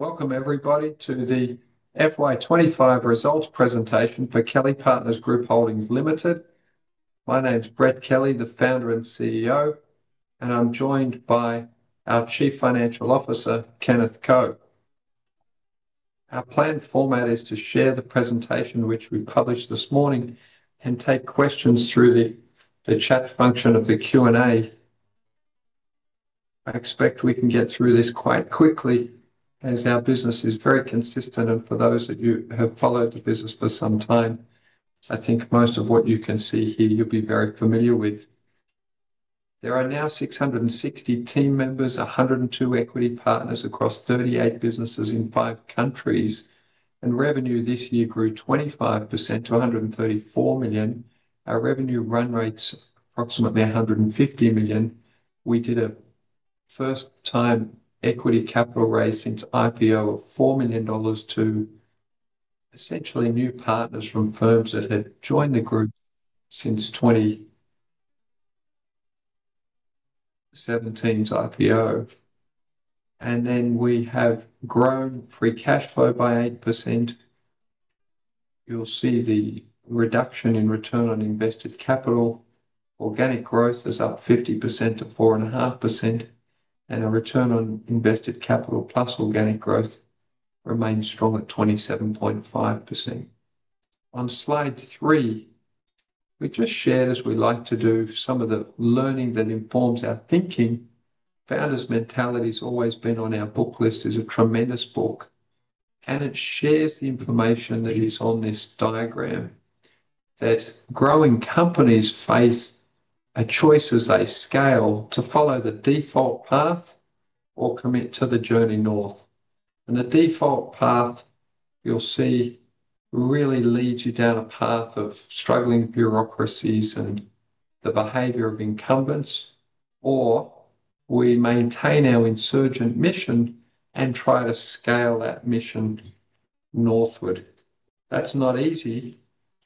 Welcome everybody to the FY 2025 Results Presentation for Kelly Partners Group Holdings Limited. My name is Brett Kelly, the Founder and CEO, and I'm joined by our Chief Financial Officer, Kenneth Ko. Our planned format is to share the presentation, which we published this morning, and take questions through the chat function of the Q&A. I expect we can get through this quite quickly as our business is very consistent, and for those of you who have followed the business for some time, I think most of what you can see here you'll be very familiar with. There are now 660 team members, 102 equity partners across 38 businesses in 5 countries, and revenue this year grew 25% to $134 million. Our revenue run rate is approximately $150 million. We did a first-time equity capital raise since IPO of $4 million to essentially new partners from firms that had joined the group since 2017's IPO. We have grown free cash flow by 8%. You'll see the reduction in return on invested capital. Organic growth is up 50%-4.5%, and our return on invested capital plus organic growth remains strong at 27.5%. On slide three, we just shared, as we like to do, some of the learning that informs our thinking. Founder's Mentality has always been on our book list as a tremendous book, and it shares the information that is on this diagram that growing companies face a choice as they scale to follow the default path or commit to the journey north. The default path you'll see really leads you down a path of struggling bureaucracies and the behavior of incumbents, or we maintain our insurgent mission and try to scale that mission northward. That's not easy,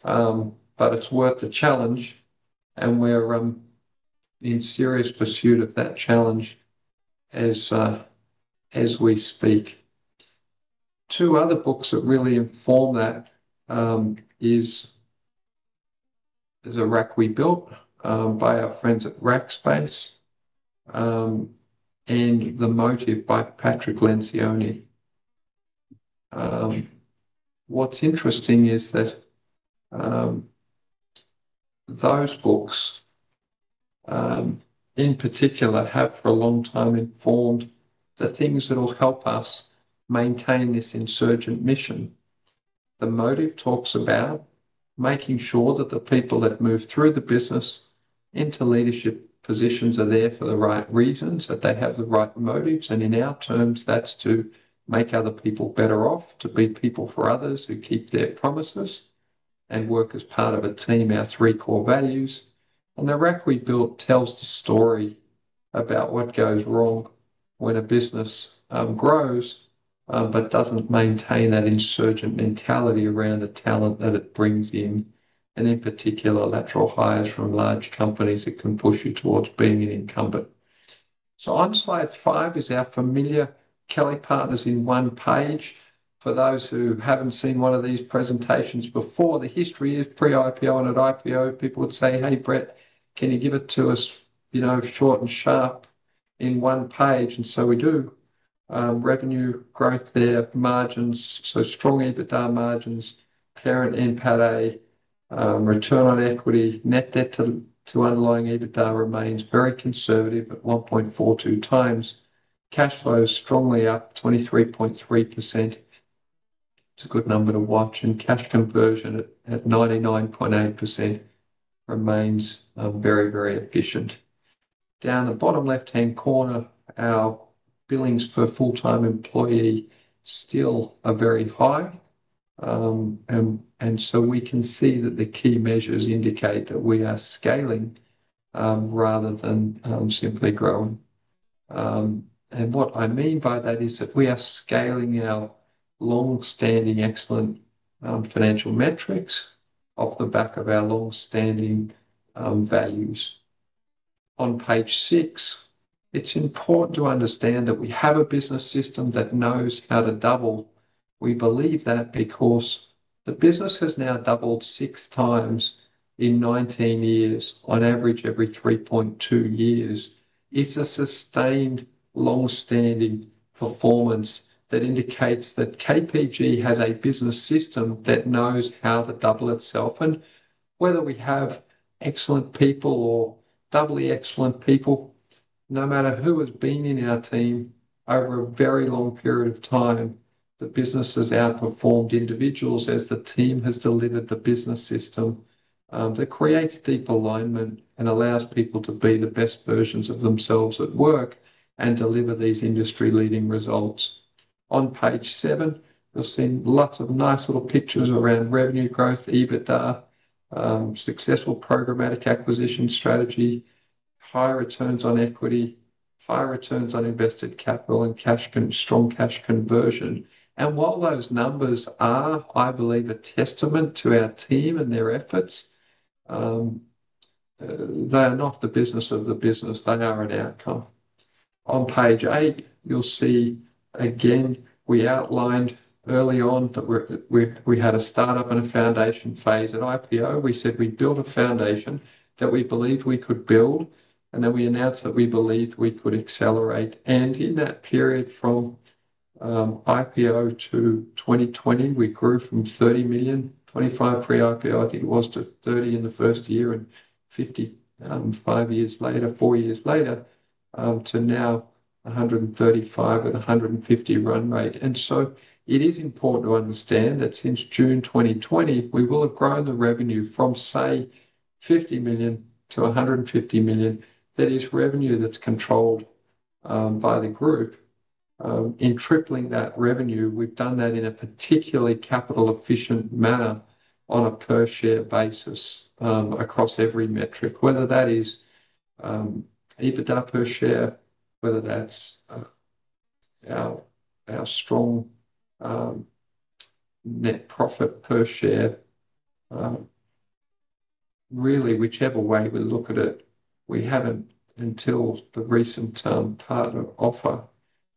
but it's worth the challenge, and we're in serious pursuit of that challenge as we speak. Two other books that really inform that are The Rack We Built by our friends at Rackspace and The Motive by Patrick Lencioni. What's interesting is that those books, in particular, have for a long time informed the things that will help us maintain this insurgent mission. The Motive talks about making sure that the people that move through the business into leadership positions are there for the right reasons, that they have the right motives, and in our terms, that's to make other people better off, to be people for others who keep their promises and work as part of a team, our three core values. The Rack We Built tells the story about what goes wrong when a business grows but doesn't maintain that insurgent mentality around the talent that it brings in, and in particular, lateral hires from large companies that can push you towards being an incumbent. On slide five is our familiar Kelly Partners in one page. For those who haven't seen one of these presentations before, the history is pre-IPO and at IPO, people would say, "Hey, Brett, can you give it to us, you know, short and sharp in one page?" We do. Revenue growth there, margins, strong EBITDA margins, parent and pare, return on equity, net debt to underlying EBITDA remains very conservative at 1.42x. Cash flow is strongly up, 23.3%. It's a good number to watch, and cash conversion at 99.8% remains very, very efficient. Down the bottom left-hand corner, our billings for full-time employee still are very high, and we can see that the key measures indicate that we are scaling rather than simply growing. What I mean by that is that we are scaling our long-standing excellent financial metrics off the back of our long-standing values. On page six, it's important to understand that we have a business system that knows how to double. We believe that because the business has now doubled six times in 19 years, on average every 3.2 years. It's a sustained long-standing performance that indicates that KPG has a business system that knows how to double itself. Whether we have excellent people or doubly excellent people, no matter who has been in our team over a very long period of time, the business has outperformed individuals as the team has delivered the business system that creates deep alignment and allows people to be the best versions of themselves at work and deliver these industry-leading results. On page seven, you'll see lots of nice little pictures around revenue growth, EBITDA, successful programmatic acquisition strategy, high returns on equity, high returns on invested capital, and strong cash conversion. While those numbers are, I believe, a testament to our team and their efforts, they are not the business of the business. They are an outcome. On page eight, you'll see, again, we outlined early on that we had a startup and a foundation phase at IPO. We said we'd build a foundation that we believed we could build, and then we announced that we believed we could accelerate. In that period from IPO to 2020, we grew from $30 million, $25 million pre-IPO, I think it was, to $30 million in the first year, and $50 million, five years later, four years later, to now $135 million with $150 million run rate. It is important to understand that since June 2020, we will have grown the revenue from, say, $50 million-$150 million. That is revenue that's controlled by the group. In tripling that revenue, we've done that in a particularly capital-efficient manner on a per-share basis across every metric, whether that is EBITDA per share, whether that's our strong net profit per share. Really, whichever way we look at it, we haven't, until the recent partner offer,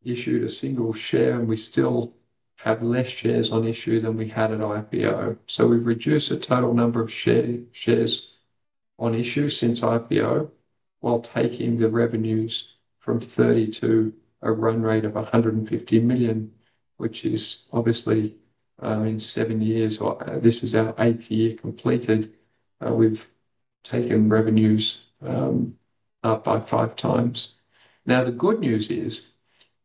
issued a single share, and we still have fewer shares on issue than we had at IPO. We've reduced the total number of shares on issue since IPO while taking the revenues from $30 million to a run rate of $150 million, which is obviously, in seven years, or this is our eighth year completed, we've taken revenues up by 5x. The good news is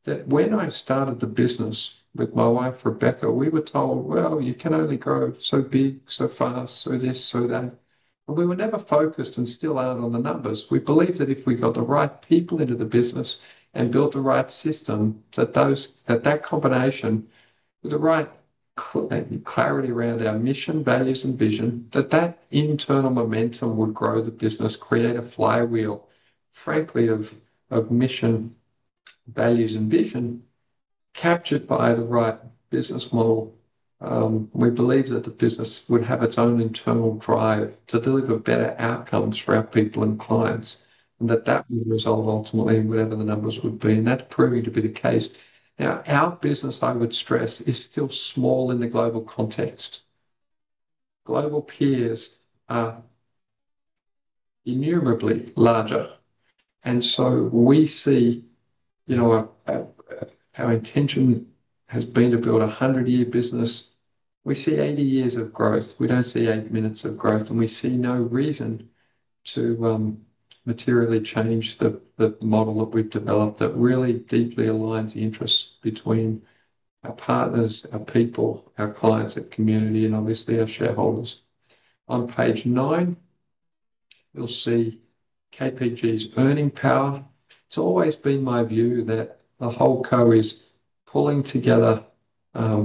that when I started the business with my wife, Rebecca, we were told, "You can only grow so big, so fast, so this, so that." We were never focused and still aren't on the numbers. We believe that if we got the right people into the business and built the right system, that combination with the right clarity around our mission, values, and vision, that internal momentum would grow the business, create a flywheel, frankly, of mission, values, and vision captured by the right business model. We believe that the business would have its own internal drive to deliver better outcomes for our people and clients, and that would result ultimately in whatever the numbers would be. That's proving to be the case. Our business, I would stress, is still small in the global context. Global peers are innumerably larger. We see, you know, our intention has been to build a 100-year business. We see 80 years of growth. We don't see eight minutes of growth, and we see no reason to materially change the model that we've developed that really deeply aligns the interests between our partners, our people, our clients, our community, and obviously our shareholders. On page nine, you'll see KPG's earning power. It's always been my view that the whole goal is pulling together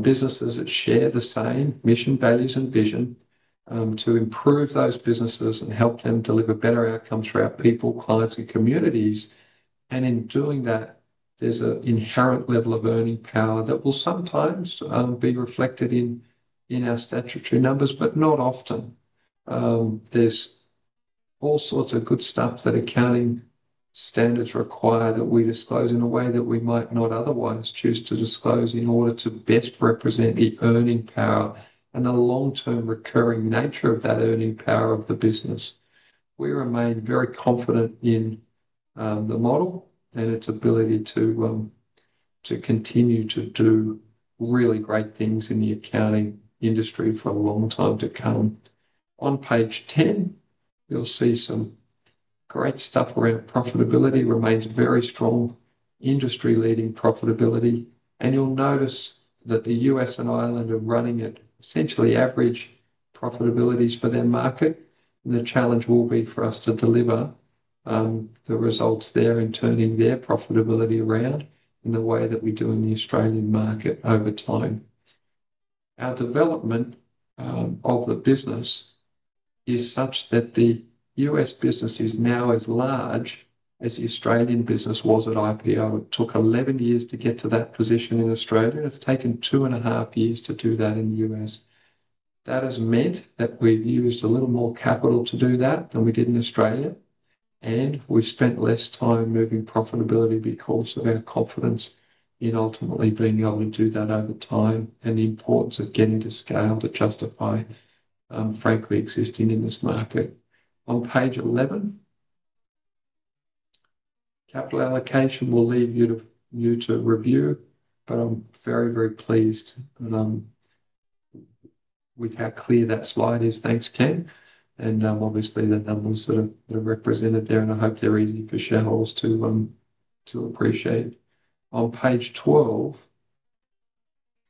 businesses that share the same mission, values, and vision to improve those businesses and help them deliver better outcomes for our people, clients, and communities. In doing that, there's an inherent level of earning power that will sometimes be reflected in our statutory numbers, but not often. There is all sorts of good stuff that accounting standards require that we disclose in a way that we might not otherwise choose to disclose in order to best represent the earning power and the long-term recurring nature of that earning power of the business. We remain very confident in the model and its ability to continue to do really great things in the accounting industry for a long time to come. On page 10, you'll see some great stuff around profitability remains very strong, industry-leading profitability. You'll notice that the US and Ireland are running at essentially average profitabilities for their market. The challenge will be for us to deliver the results there and turn their profitability around in the way that we do in the Australian market over time. Our development of the business is such that the U.S. business is now as large as the Australian business was at IPO. It took 11 years to get to that position in Australia, and it's taken two and a half years to do that in the US. That has meant that we've used a little more capital to do that than we did in Australia, and we've spent less time moving profitability because of our confidence in ultimately being able to do that over time and the importance of getting to scale to justify, frankly, existing in this market. On page 11, capital allocation will leave you to review, but I'm very, very pleased with how clear that slide is. Thanks, Ken. Obviously, the numbers that are represented there, and I hope they're easy for shareholders to appreciate. On page 12,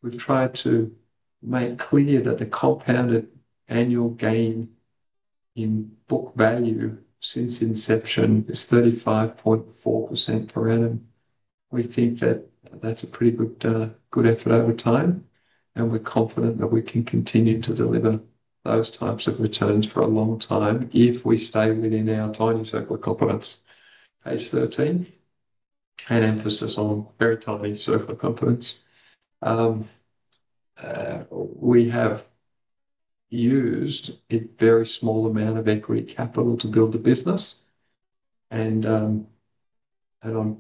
we've tried to make clear that the compounded annual gain in book value since inception is 35.4% per annum. We think that that's a pretty good effort over time, and we're confident that we can continue to deliver those types of returns for a long time if we stay within our timely circle of competence. Page 13, an emphasis on very timely circle of competence. We have used a very small amount of equity capital to build the business, and I'm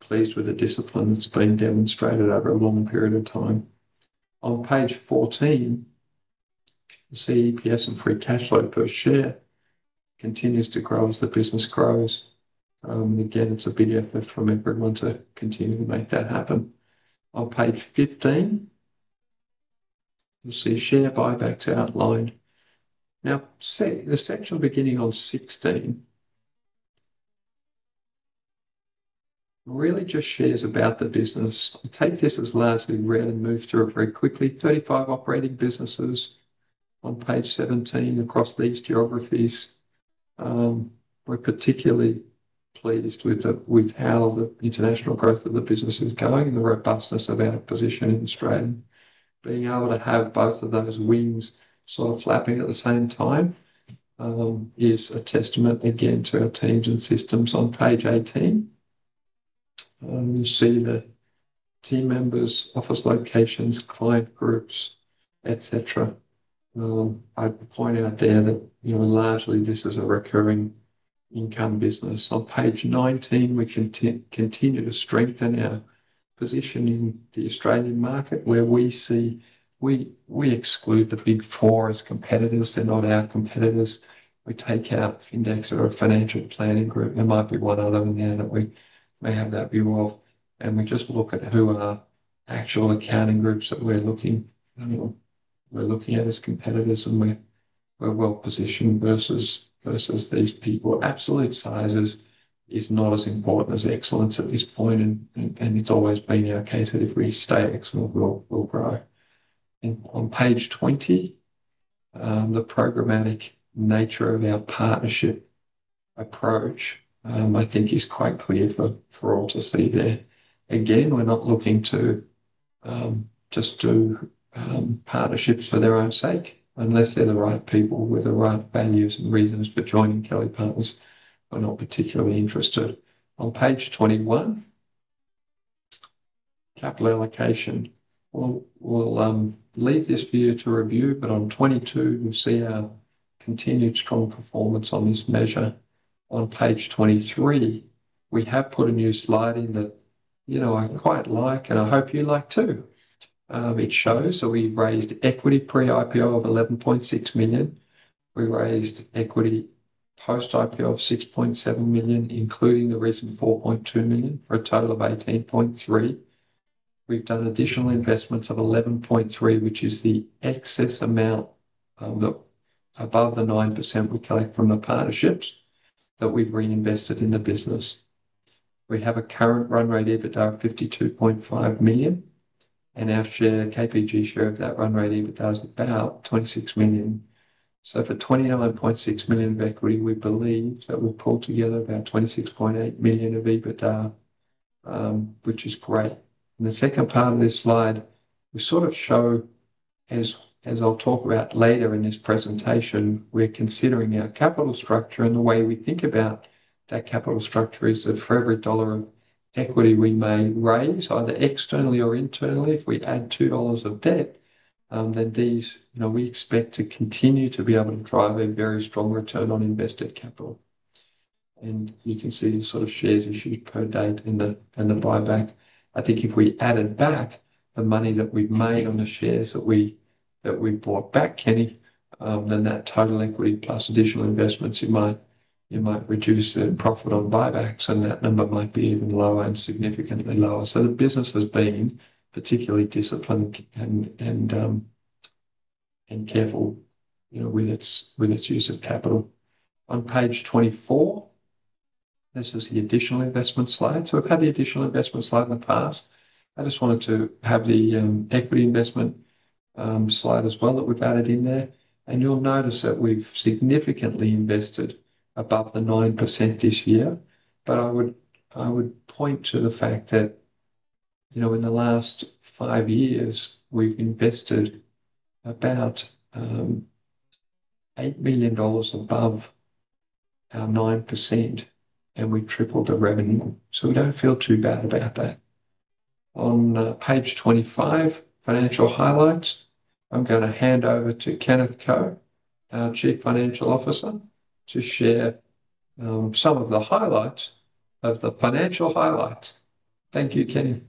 pleased with the discipline that's been demonstrated over a long period of time. On page 14, you'll see EPS and free cash flow per share continues to grow as the business grows. Again, it's a big effort from everyone to continue to make that happen. On page 15, you'll see share buybacks outlined. Now, the section beginning on 16 really just shares about the business. I'll take this as largely read and move through it very quickly. Thirty-five operating businesses on page 17 across these geographies. We're particularly pleased with how the international growth of the business is going and the robustness of our position in Australia. Being able to have both of those wings sort of flapping at the same time is a testament, again, to our teams and systems. On page 18, you'll see the team members, office locations, client groups, etc. I would point out there that, you know, largely, this is a recurring income business. On page 19, we can continue to strengthen our position in the Australian market where we see we exclude the Big Four as competitors. They're not our competitors. We take out Findex or a financial planning group. There might be one other in there that we may have that view of. We just look at who our actual accounting groups that we're looking at as competitors, and we're well-positioned versus these people. Absolute sizes are not as important as excellence at this point, and it's always been our case that if we stay excellent, we'll grow. On page 20, the programmatic nature of our partnership approach, I think, is quite clear for all to see there. Again, we're not looking to just do partnerships for their own sake unless they're the right people with the right values and reasons for joining Kelly Partners. We're not particularly interested. On page 21, capital allocation. We'll leave this for you to review, but on 22, you'll see our continued strong performance on this measure. On page 23, we have put a new slide in that, you know, I quite like, and I hope you like too. It shows that we raised equity pre-IPO of $11.6 million. We raised equity post-IPO of $6.7 million, including the recent $4.2 million for a total of $18.3 million. We've done additional investments of $11.3 million, which is the excess amount above the 9% we collect from the partnerships that we've reinvested in the business. We have a current run rate EBITDA of $52.5 million, and our share, KPG share of that run rate EBITDA is about $26 million. For $29.6 million of equity, we believe that we'll pull together about $26.8 million of EBITDA, which is great. The second part of this slide, we sort of show, as I'll talk about later in this presentation, we're considering our capital structure. The way we think about that capital structure is that for every dollar of equity we may raise, either externally or internally, if we add $2 of debt, we expect to continue to be able to drive a very strong return on invested capital. You can see the sort of shares issued per date and the buyback. I think if we added back the money that we've made on the shares that we've bought back, Kenny, then that total equity plus additional investments, it might reduce the profit on buybacks, and that number might be even lower and significantly lower. The business has been particularly disciplined and careful with its use of capital. On page 24, this is the additional investment slide. We've had the additional investment slide in the past. I just wanted to have the equity investment slide as well that we've added in there. You'll notice that we've significantly invested above the 9% this year. I would point to the fact that in the last five years, we've invested about $8 million above our 9%, and we tripled the revenue. We don't feel too bad about that. On page 25, financial highlights, I'm going to hand over to Kenneth Ko, our Chief Financial Officer, to share some of the highlights of the financial highlights. Thank you, Kenny.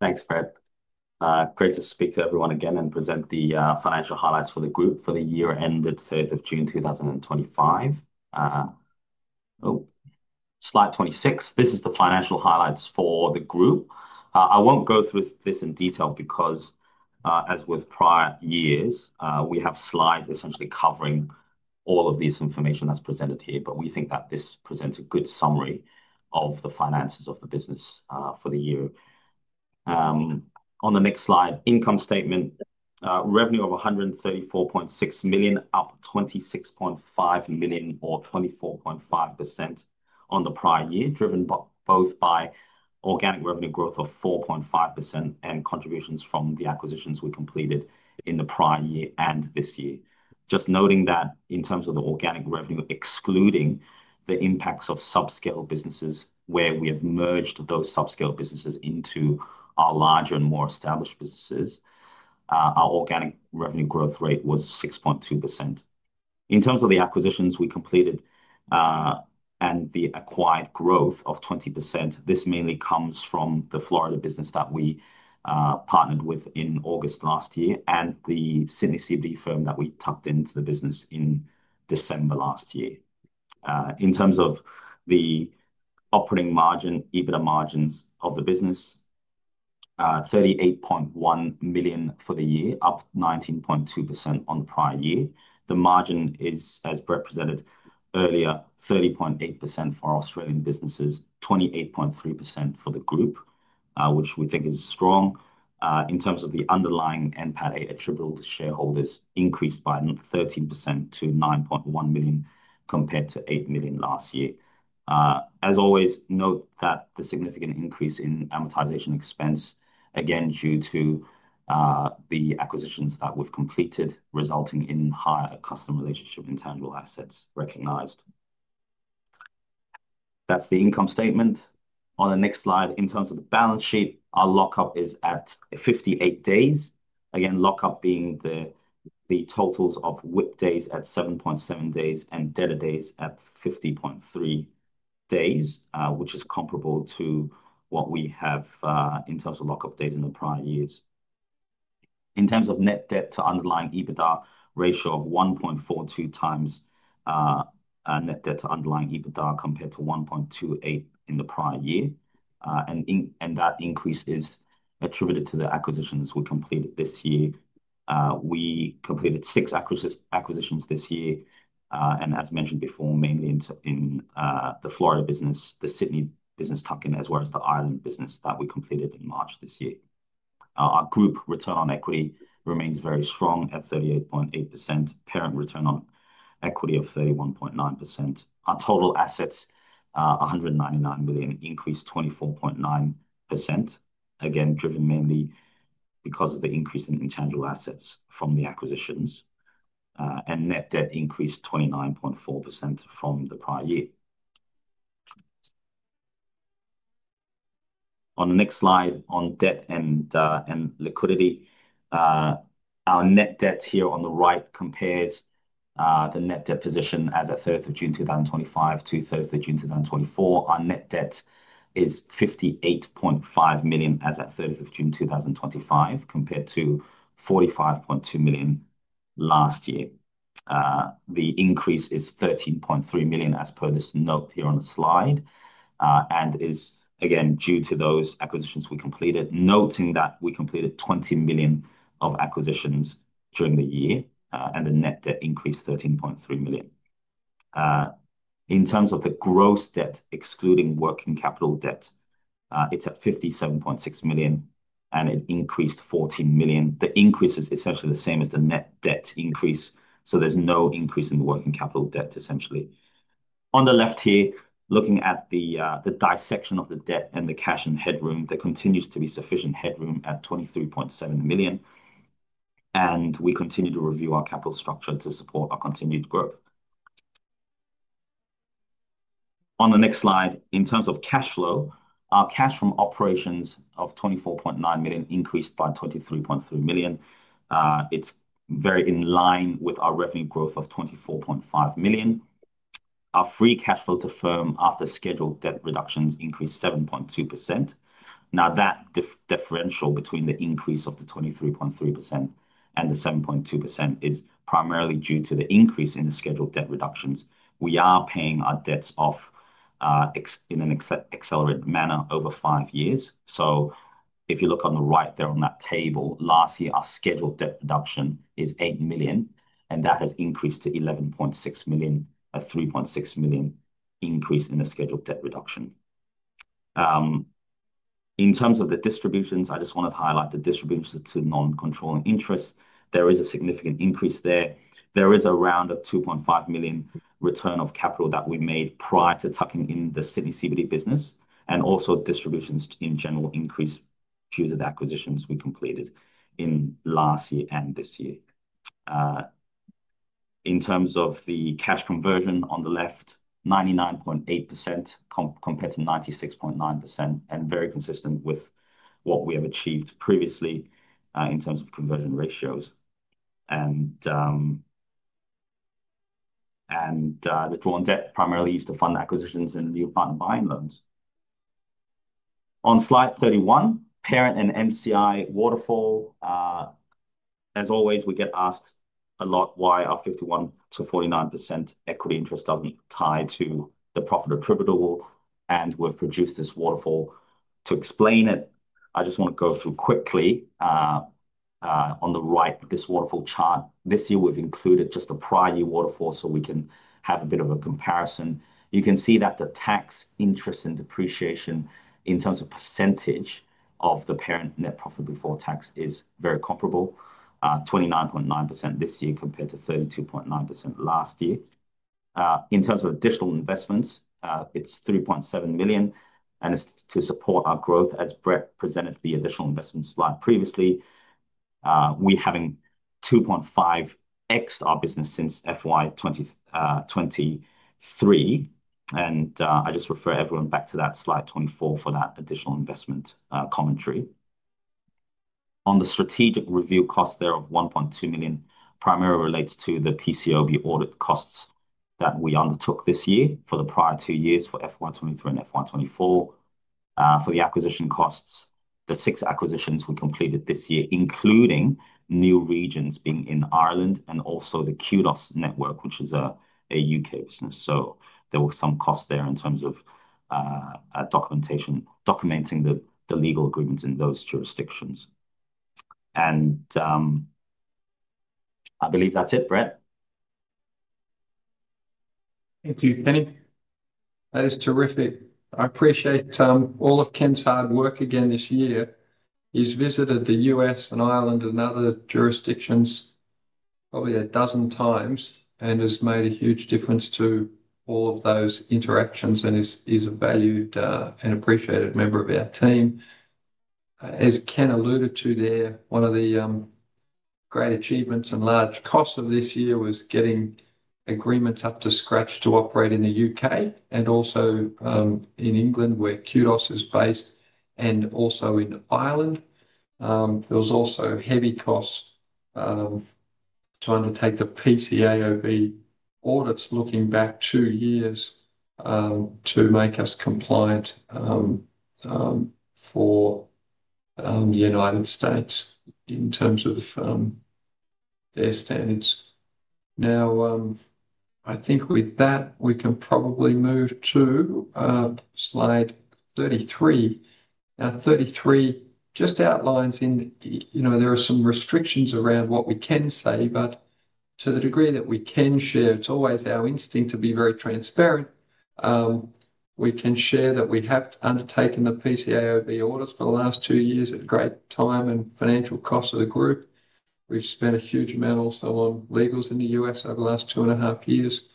Thanks, Brett. Great to speak to everyone again and present the financial highlights for the group for the year ended 3rd of June 2025. Slide 26, this is the financial highlights for the group. I won't go through this in detail because, as with prior years, we have slides essentially covering all of this information that's presented here, but we think that this presents a good summary of the finances of the business for the year. On the next slide, income statement, revenue of $134.6 million, up $26.5 million or 24.5% on the prior year, driven both by organic revenue growth of 4.5% and contributions from the acquisitions we completed in the prior year and this year. Just noting that in terms of the organic revenue, excluding the impacts of subscale businesses where we have merged those subscale businesses into our larger and more established businesses, our organic revenue growth rate was 6.2%. In terms of the acquisitions we completed and the acquired growth of 20%, this mainly comes from the Florida business that we partnered with in August last year and the Sydney CBD firm that we tapped into the business in December last year. In terms of the operating margin, EBITDA margins of the business, $38.1 million for the year, up 19.2% on the prior year. The margin is, as Brett presented earlier, 30.8% for Australian businesses, 28.3% for the group, which we think is strong. In terms of the underlying NPA attributable to shareholders, increased by 13% to $9.1 million compared to $8 million last year. As always, note that the significant increase in amortization expense, again, due to the acquisitions that we've completed, resulting in higher customer relationship internal assets recognized. That's the income statement. On the next slide, in terms of the balance sheet, our lockup is at 58 days. Again, lockup being the totals of WIP days at 7.7 days and debtor days at 50.3 days, which is comparable to what we have in terms of lockup days in the prior years. In terms of net debt to underlying EBITDA ratio of 1.42x net debt to underlying EBITDA compared to 1.28x in the prior year, and that increase is attributed to the acquisitions we completed this year. We completed six acquisitions this year, and as mentioned before, mainly in the Florida business, the Sydney business tuck in, as well as the Ireland business that we completed in March this year. Our group return on equity remains very strong at 38.8%, parent return on equity of 31.9%. Our total assets, $199 million, increased 24.9%, again, driven mainly because of the increase in intangible assets from the acquisitions, and net debt increased 29.4% from the prior year. On the next slide, on debt and liquidity, our net debt here on the right compares the net debt position as at 30th of June 2025 to 30th of June 2024. Our net debt is $58.5 million as at 30th of June 2025 compared to $45.2 million last year. The increase is $13.3 million as per this note here on the slide, and is again due to those acquisitions we completed, noting that we completed $20 million of acquisitions during the year, and the net debt increased $13.3 million. In terms of the gross debt, excluding working capital debt, it's at $57.6 million, and it increased $14 million. The increase is essentially the same as the net debt increase, so there's no increase in the working capital debt, essentially. On the left here, looking at the dissection of the debt and the cash and headroom, there continues to be sufficient headroom at $23.7 million, and we continue to review our capital structure to support our continued growth. On the next slide, in terms of cash flow, our cash from operations of $24.9 million increased by $23.3 million. It's very in line with our revenue growth of $24.5 million. Our free cash flow to firm after scheduled debt reductions increased 7.2%. That differential between the increase of the 23.3% and the 7.2% is primarily due to the increase in the scheduled debt reductions. We are paying our debts off in an accelerated manner over five years. If you look on the right there on that table, last year, our scheduled debt reduction is $8 million, and that has increased to $11.6 million, a $3.6 million increase in the scheduled debt reduction. In terms of the distributions, I just wanted to highlight the distributions to non-controlling interests. There is a significant increase there. There is around a $2.5 million return of capital that we made prior to tucking in the Sydney CBD business, and also distributions in general increase due to the acquisitions we completed in last year and this year. In terms of the cash conversion on the left, 99.8% compared to 96.9%, and very consistent with what we have achieved previously in terms of conversion ratios. The drawn debt primarily used to fund acquisitions and new partner buying loans. On slide 31, parent and MCI waterfall. As always, we get asked a lot why our 51%-49% equity interest doesn't tie to the profit attributable, and we've produced this waterfall to explain it. I just want to go through quickly on the right with this waterfall chart. This year, we've included just the prior year waterfall so we can have a bit of a comparison. You can see that the tax, interest, and depreciation in terms of percentage of the parent net profit before tax is very comparable, 29.9% this year compared to 32.9% last year. In terms of additional investments, it's $3.7 million, and it's to support our growth as Brett Kelly presented the additional investment slide previously. We haven't 2.5x our business since FY 2023, and I just refer everyone back to that slide 24 for that additional investment commentary. On the strategic review cost there of $1.2 million, primarily relates to the PCOV audit costs that we undertook this year for the prior two years for FY 2023 and FY 2024. For the acquisition costs, the six acquisitions we completed this year, including new regions being in Ireland and also the Kudos International network, which is a U.K. business. There were some costs there in terms of documenting the legal agreements in those jurisdictions. I believe that's it, Brett. Thank you, Kenny. That is terrific. I appreciate all of Ken's hard work again this year. He's visited the U.S. and Ireland and other jurisdictions probably a dozen times and has made a huge difference to all of those interactions and is a valued and appreciated member of our team. As Ken alluded to there, one of the great achievements and large costs of this year was getting agreements up to scratch to operate in the U.K. and also in England where Kudos is based and also in Ireland. There was also heavy costs trying to take the PCAOB audits, looking back two years, to make us compliant for the United States in terms of their standards. Now, I think with that, we can probably move to slide 33. Now, 33 just outlines in, you know, there are some restrictions around what we can say, but to the degree that we can share, it's always our instinct to be very transparent. We can share that we have undertaken the PCAOB audits for the last two years at a great time and financial costs of the group. We've spent a huge amount also on legals in the U.S. over the last two and a half years.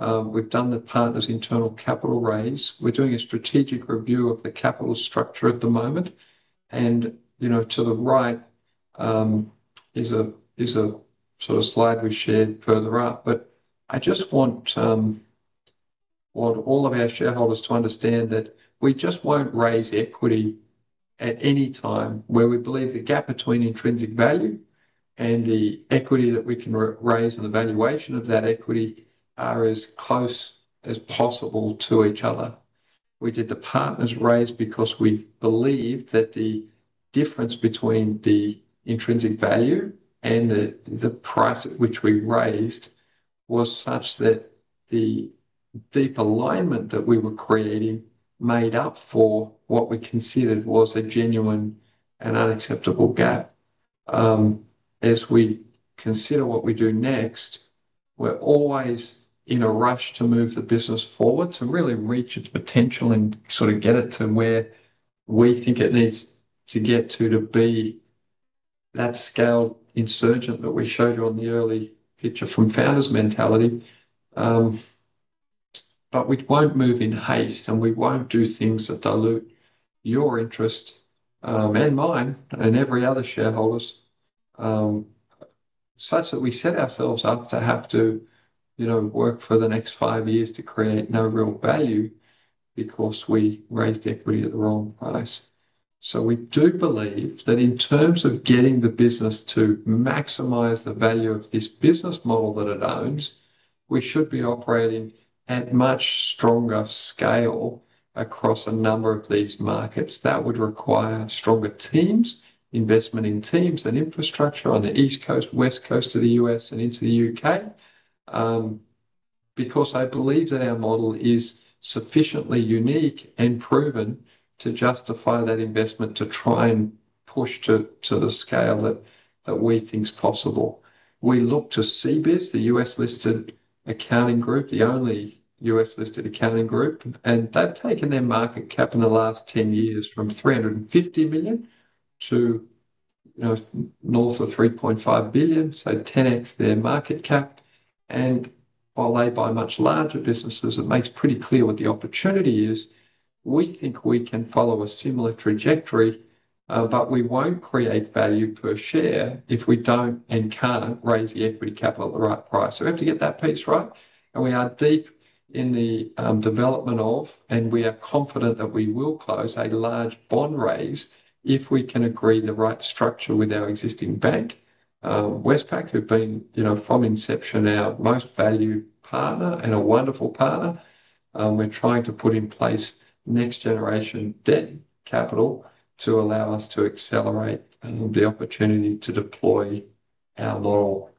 We've done the partners' internal capital raise. We're doing a strategic review of the capital structure at the moment. To the right is a sort of slide we shared further up. I just want all of our shareholders to understand that we just won't raise equity at any time where we believe the gap between intrinsic value and the equity that we can raise and the valuation of that equity are as close as possible to each other. We did the partners' raise because we believe that the difference between the intrinsic value and the price at which we raised was such that the deep alignment that we were creating made up for what we considered was a genuine and unacceptable gap. As we consider what we do next, we're always in a rush to move the business forward to really reach its potential and sort of get it to where we think it needs to get to to be that scale insurgent that we showed you on the early picture from founders' mentality. We won't move in haste, and we won't do things that dilute your interest and mine and every other shareholder's such that we set ourselves up to have to, you know, work for the next five years to create no real value because we raised equity at the wrong price. We do believe that in terms of getting the business to maximize the value of this business model that it owns, we should be operating at much stronger scale across a number of these markets. That would require stronger teams, investment in teams and infrastructure on the East Coast, West Coast of the U.S., and into the U.K because I believe that our model is sufficiently unique and proven to justify that investment to try and push to the scale that we think is possible. We look to CBIS, the U.S.-listed accounting group, the only U.S.-listed accounting group, and they've taken their market cap in the last 10 years from $350 million to north of $3.5 billion, so 10x their market cap. While they buy much larger businesses, it makes pretty clear what the opportunity is. We think we can follow a similar trajectory, but we won't create value per share if we don't and can't raise the equity capital at the right price. We have to get that piece right, and we are deep in the development of, and we are confident that we will close a large bond raise if we can agree the right structure with our existing bank. Westpac has been, from inception, our most valued partner and a wonderful partner. We're trying to put in place next-generation debt capital to allow us to accelerate the opportunity to deploy our model.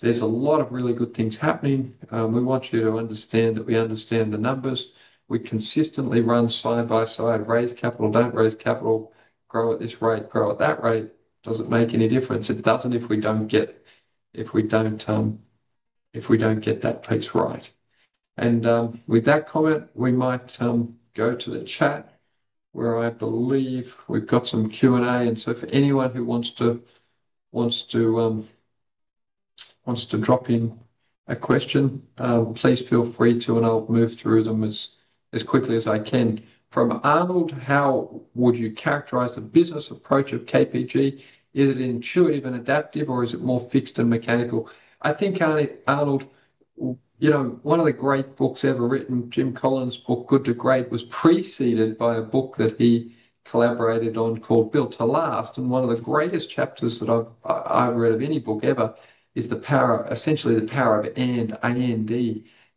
There are a lot of really good things happening. We want you to understand that we understand the numbers. We consistently run side by side, raise capital, don't raise capital, grow at this rate, grow at that rate. Does it make any difference? It doesn't if we don't get that piece right. With that comment, we might go to the chat where I believe we've got some Q&A. For anyone who wants to drop in a question, please feel free to, and I'll move through them as quickly as I can. From Arnold, how would you characterize the business approach of KPG? Is it intuitive and adaptive, or is it more fixed and mechanical? I think, Arnold, one of the great books ever written, Jim Collins' book, Good to Great, was preceded by a book that he collaborated on called Built to Last. One of the greatest chapters that I've read of any book ever is the power, essentially the power of AND.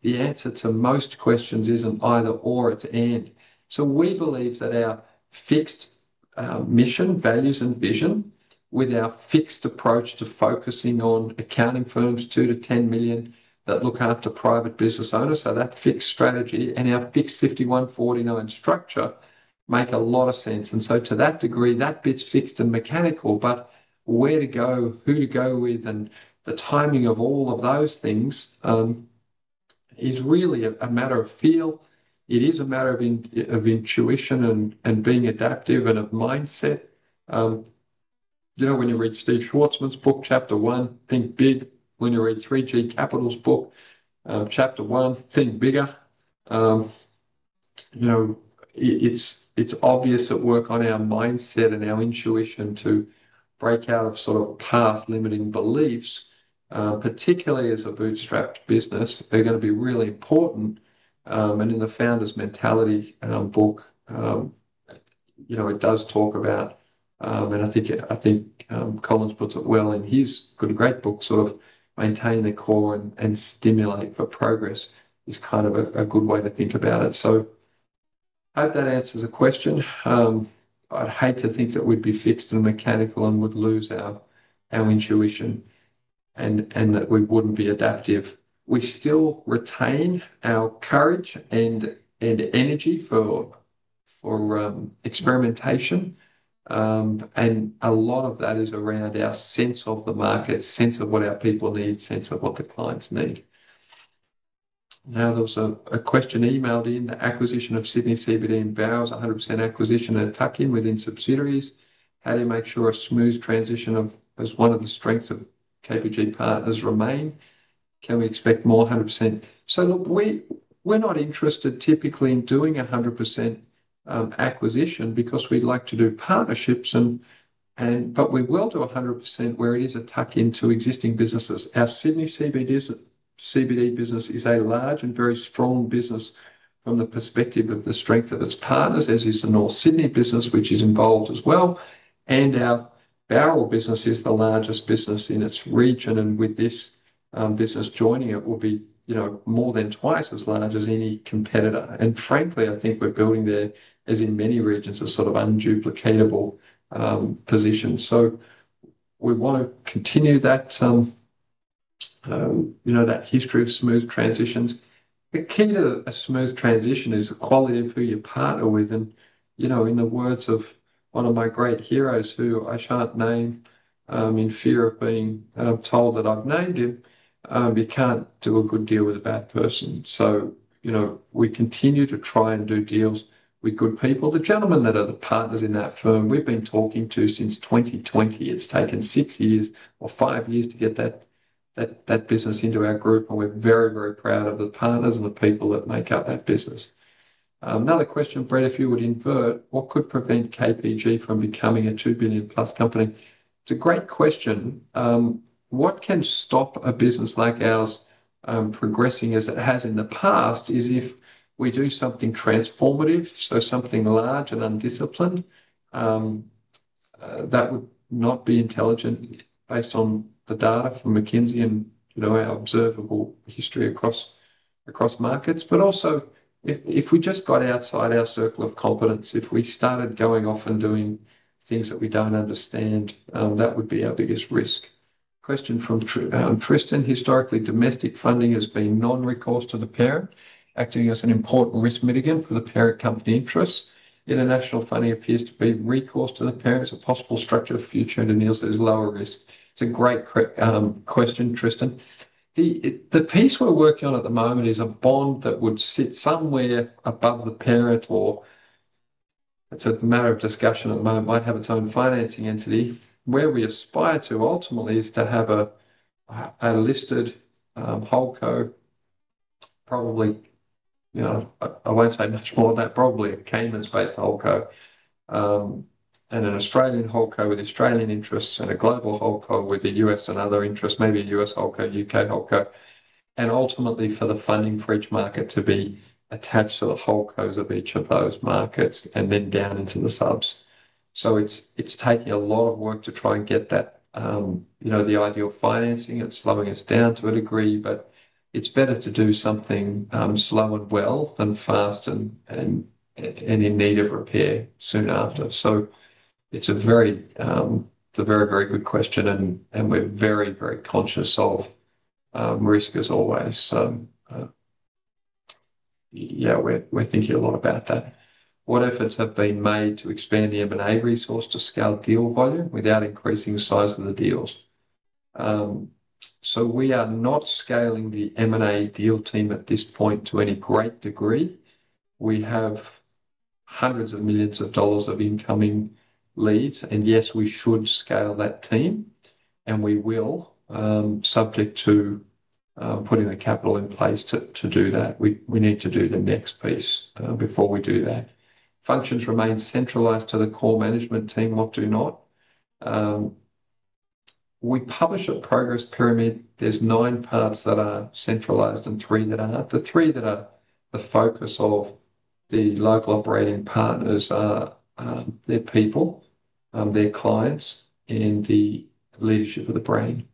The answer to most questions isn't either/or, it's AND. We believe that our fixed mission, values, and vision with our fixed approach to focusing on accounting firms $2 million-$10 million that look after private business owners, so that fixed strategy and our fixed 51%, 49% structure make a lot of sense. To that degree, that bit's fixed and mechanical, but where to go, who to go with, and the timing of all of those things is really a matter of feel. It is a matter of intuition and being adaptive and of mindset. You know, when you read Steve Schwarzman's book, Chapter One, think big. When you read 3G Capital's book, Chapter One, think bigger. It's obvious at work on our mindset and our intuition to break out of sort of past limiting beliefs, particularly as a bootstrapped business. They're going to be really important. In the Founders' Mentality book, it does talk about, and I think Collins puts it well in his Good to Great book, sort of maintain the core and stimulate for progress is kind of a good way to think about it. I hope that answers the question. I'd hate to think that we'd be fixed and mechanical and would lose our intuition and that we wouldn't be adaptive. We still retain our courage and energy for experimentation, and a lot of that is around our sense of the market, sense of what our people need, sense of what the clients need. Now, there was a question emailed in, the acquisition of Sydney CBD and Bowral's 100% acquisition and tuck in within subsidiaries. How do you make sure a smooth transition is one of the strengths of KPG partners remain? Can we expect more 100%? Look, we're not interested typically in doing 100% acquisition because we'd like to do partnerships, but we will do 100% where it is a tuck into existing businesses. Our Sydney CBD business is a large and very strong business from the perspective of the strength of its partners, as is the North Sydney business, which is involved as well. Our Bowral business is the largest business in its region, and with this business joining, it will be more than twice as large as any competitor. Frankly, I think we're building there, as in many regions, a sort of unduplicatable position. We want to continue that history of smooth transitions. The key to a smooth transition is the quality of who you partner with. In the words of one of my great heroes, who I shall not name in fear of being told that I've named him, you can't do a good deal with a bad person. We continue to try and do deals with good people. The gentlemen that are the partners in that firm, we've been talking to since 2020. It's taken five years to get that business into our group, and we're very, very proud of the partners and the people that make up that business. Another question, Brett, if you would invert, what could prevent KPG from becoming a $2+ billion company? It's a great question. What can stop a business like ours progressing as it has in the past is if we do something transformative, something large and undisciplined. That would not be intelligent based on the data from McKinsey and, you know, our observable history across markets. Also, if we just got outside our circle of competence, if we started going off and doing things that we don't understand, that would be our biggest risk. Question from Tristan. Historically, domestic funding has been non-recourse to the parent, acting as an important risk mitigant for the parent company interests. International funding appears to be recourse to the parent as a possible structure of future, and the Nielsen is lower risk. It's a great question, Tristan. The piece we're working on at the moment is a bond that would sit somewhere above the parent. It's a matter of discussion at the moment, might have its own financing entity. Where we aspire to ultimately is to have a listed holdco, probably, you know, I won't say much more than that, probably a Cayman-based holdco, and an Australian holdco with Australian interests and a global holdco with the U.S. and other interests, maybe a U.S. holdco, U.K. holdco, and ultimately for the funding for each market to be attached to the holdcos of each of those markets and then down into the subs. It's taking a lot of work to try and get that, you know, the ideal financing. It's slowing us down to a degree, but it's better to do something slow and well than fast and in need of repair soon after. It's a very, very good question, and we're very, very conscious of risk as always. We're thinking a lot about that. What efforts have been made to expand the M&A resource to scale deal volume without increasing the size of the deals? We are not scaling the M&A deal team at this point to any great degree. We have hundreds of millions of dollars of incoming leads, and yes, we should scale that team, and we will, subject to putting the capital in place to do that. We need to do the next piece before we do that. Functions remain centralized to the core management team. What do not? We publish a progress pyramid. There's nine parts that are centralized and three that aren't. The three that are the focus of the local operating partners are their people, their clients, and the leadership of the brand.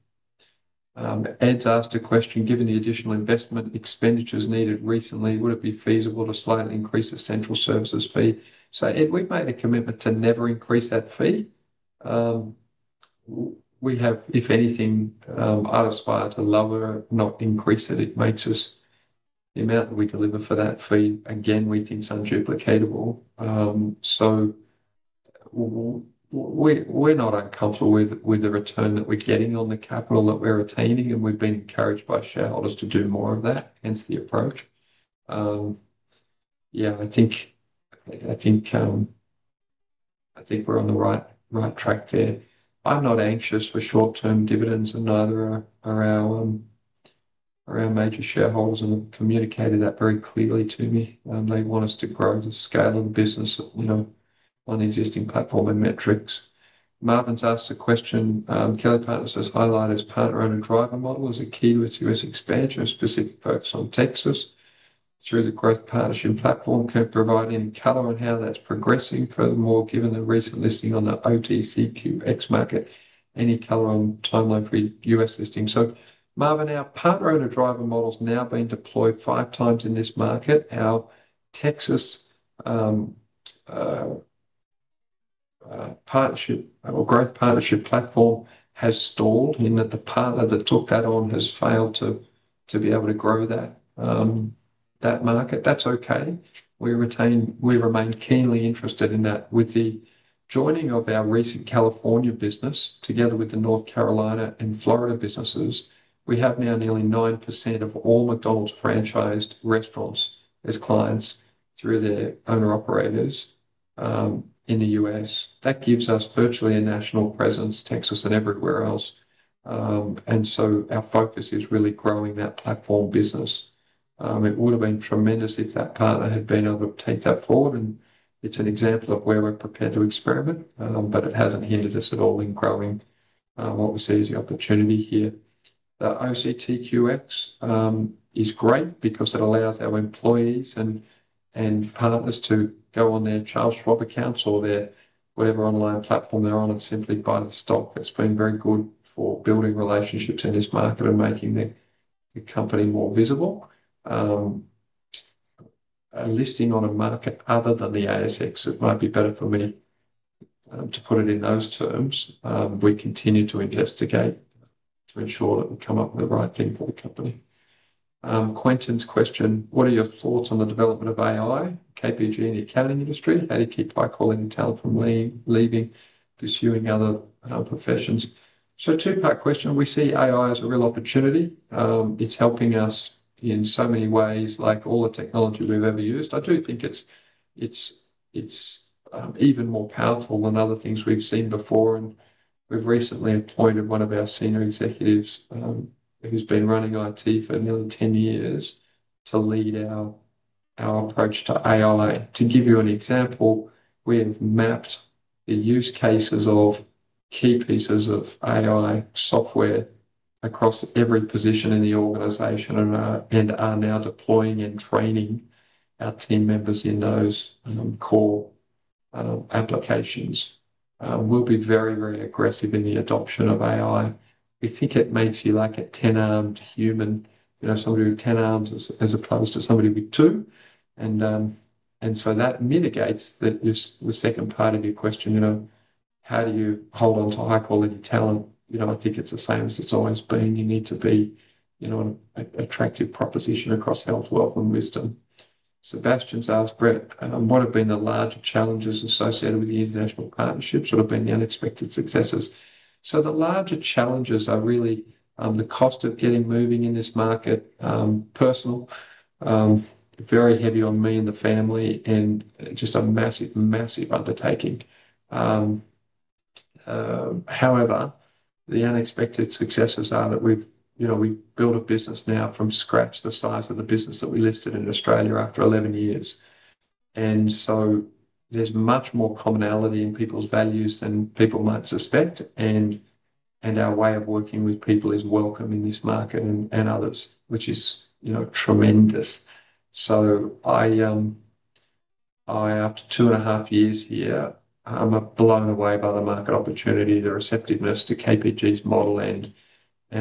Ed asked a question, given the additional investment expenditures needed recently, would it be feasible to slightly increase the central services fee? Ed, we've made a commitment to never increase that fee. If anything, I'd aspire to lower, not increase it. The amount that we deliver for that fee, again, we think is unduplicatable. We're not uncomfortable with the return that we're getting on the capital that we're attaining, and we've been encouraged by shareholders to do more of that. Hence the approach. I think we're on the right track there. I'm not anxious for short-term dividends and neither of our major shareholders are, and they've communicated that very clearly to me. They want us to grow the scale of the business on the existing platform and metrics. Marvin's asked a question. Kelly Partners has highlighted its partner-owner driver model. Is it key to its U.S. expansion or specific focus on Texas through the growth partnership platform? Can it provide any color on how that's progressing? Furthermore, given the recent listing on the OTCQX market, any color on timeline for U.S. listing? Marvin, our partner-owner driver model has now been deployed five times in this market. Our Texas partnership or growth partnership platform has stalled, meaning that the partner that took that on has failed to be able to grow that market. That's okay. We remain keenly interested in that. With the joining of our recent California business together with the North Carolina and Florida businesses, we have now nearly 9% of all McDonald’s franchised restaurants as clients through their owner-operators in the U.S. That gives us virtually a national presence, Texas and everywhere else. Our focus is really growing that platform business. It would have been tremendous if that partner had been able to take that forward, and it's an example of where we're prepared to experiment, but it hasn't hindered us at all in growing what we see as the opportunity here. The OTCQX is great because it allows our employees and partners to go on their Charles Schwab accounts or whatever online platform they're on and simply buy the stock. That's been very good for building relationships in this market and making the company more visible. A listing on a market other than the ASX, it might be better for me to put it in those terms. We continue to investigate to ensure that we come up with the right thing for the company. Quentin's question, what are your thoughts on the development of AI, KPG, in the accounting industry? How do you keep high-quality talent from leaving, pursuing other professions? Two-part question. We see AI as a real opportunity. It's helping us in so many ways, like all the technology we've ever used. I do think it's even more powerful than other things we've seen before. We've recently appointed one of our Senior Executives who's been running IT for nearly 10 years to lead our approach to AI. To give you an example, we've mapped the use cases of key pieces of AI software across every position in the organization and are now deploying and training our team members in those core applications. We'll be very, very aggressive in the adoption of AI. We think it makes you like a 10-arm human, you know, somebody with 10 arms as opposed to somebody with two. That mitigates the second part of your question, you know, how do you hold on to high-quality talent? I think it's the same as it's always been. You need to be, you know, an attractive proposition across health, wealth, and wisdom. Sebastian's asked, what have been the larger challenges associated with the international partnerships? What have been the unexpected successes? The larger challenges are really the cost of getting moving in this market, personal, very heavy on me and the family, and just a massive, massive undertaking. However, the unexpected successes are that we've, you know, we build a business now from scratch, the size of the business that we listed in Australia after 11 years. There's much more commonality in people's values than people might suspect. Our way of working with people is welcome in this market and others, which is tremendous. After two and a half years here, I'm blown away by the market opportunity, the receptiveness to KPG's model and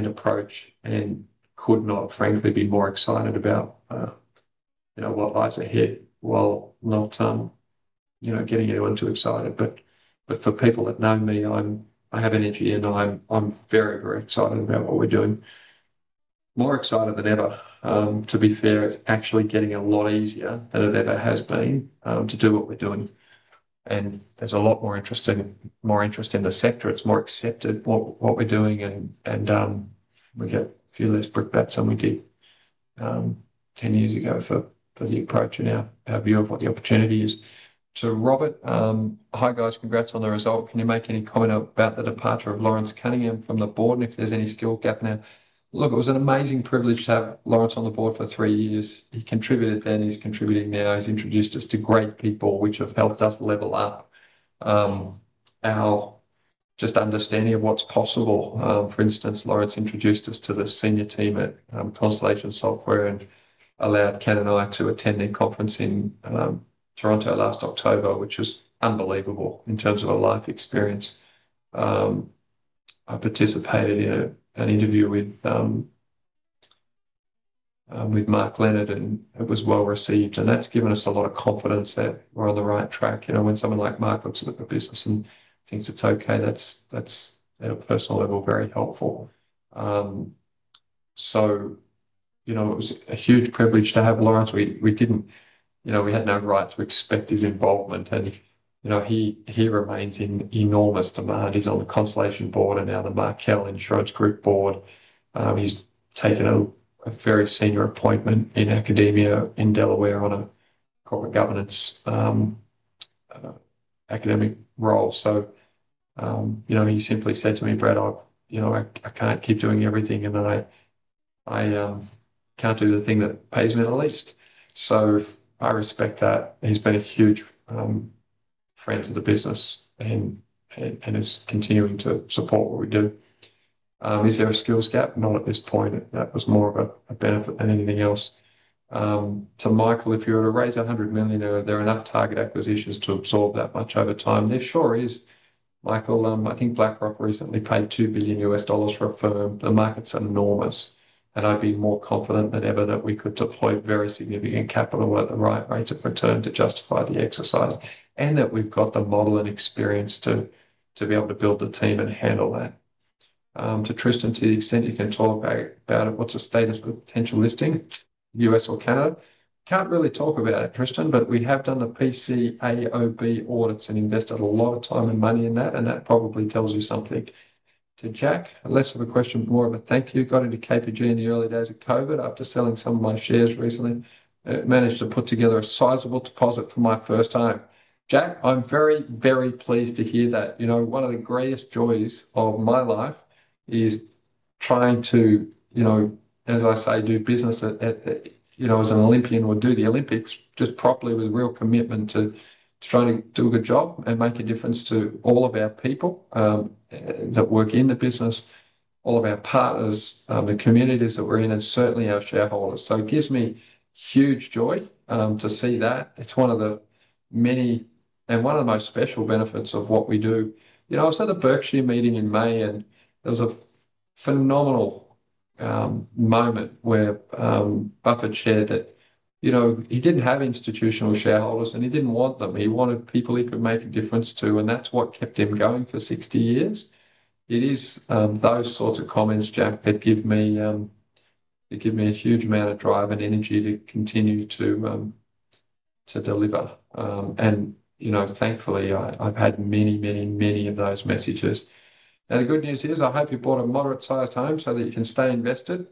approach, and could not, frankly, be more excited about what lies ahead. For people that know me, I have energy and I'm very, very excited about what we're doing. More excited than ever. To be fair, it's actually getting a lot easier than it ever has been to do what we're doing. There's a lot more interest in the sector. It's more accepted what we're doing, and we get a few less brickbats than we did 10 years ago for the approach and our view of what the opportunity is. Robert, hi guys, congrats on the result. Can you make any comment about the departure of Lawrence Cunningham from the board and if there's any skill gap now? Look, it was an amazing privilege to have Lawrence on the board for three years. He contributed then; he's contributing now. He's introduced us to great people, which have helped us level up our understanding of what's possible. For instance, Lawrence introduced us to the senior team at Constellation Software and allowed Ken and I to attend the conference in Toronto last October, which was unbelievable in terms of a life experience. I participated in an interview with Mark Leonard, and it was well received. That's given us a lot of confidence that we're on the right track. You know, when someone like Mark looks at the business and thinks it's okay, that's, at a personal level, very helpful. It was a huge privilege to have Lawrence. We had no right to expect his involvement. He remains in enormous demand. He's on the Constellation Board and now the Mark Kelly Insurance Group Board. He's taken a very senior appointment in academia in Delaware on a corporate governance academic role. He simply said to me, "Brett, you know, I can't keep doing everything, and I can't do the thing that pays me the least." I respect that. He's been a huge friend to the business and is continuing to support what we do. Is there a skills gap? Not at this point. That was more of a benefit than anything else. To Michael, if you were to raise $100 million or there are enough target acquisitions to absorb that much over time, there sure is. Michael, I think BlackRock recently paid $2 billion for a firm. The market's enormous, and I'd be more confident than ever that we could deploy very significant capital at the right rate of return to justify the exercise and that we've got the model and experience to be able to build the team and handle that. To Tristan, to the extent you can talk about it, what's the status with potential listing, U.S. or Canada? Can't really talk about it, Tristan, but we have done the PCAOB audits and invested a lot of time and money in that, and that probably tells you something. To Jack, let's have a question, more of a thank you. Got into KPG in the early days of COVID after selling some of my shares recently. Managed to put together a sizable deposit for my first time. Jack, I'm very, very pleased to hear that. One of the greatest joys of my life is trying to, as I say, do business at, you know, as an Olympian or do the Olympics just properly with real commitment to try to do a good job and make a difference to all of our people that work in the business, all of our partners, the communities that we're in, and certainly our shareholders. It gives me huge joy to see that. It's one of the many and one of the most special benefits of what we do. I was at a Berkshire meeting in May, and there was a phenomenal moment where Buffett shared that he didn't have institutional shareholders, and he didn't want them. He wanted people he could make a difference to, and that's what kept him going for 60 years. It is those sorts of comments, Jack, that give me a huge amount of drive and energy to continue to deliver. Thankfully, I've had many, many, many of those messages. The good news is I hope you bought a moderate-sized home so that you can stay invested